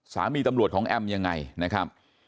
สามีตำรวจของแอมยังไงนะครับ